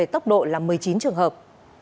tốc độ một mươi chín trường hợp